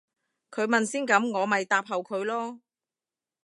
佢問先噉我咪答後佢咯